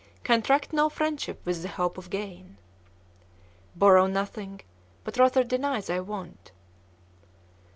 Contract no friendship with the hope of gain. Borrow nothing, but rather deny thy want.